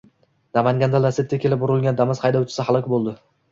Namanganda Lacetti kelib urilgan Damas haydovchisi halok bo‘ldi